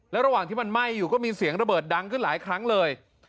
ระหว่างที่มันไหม้อยู่ก็มีเสียงระเบิดดังขึ้นหลายครั้งเลย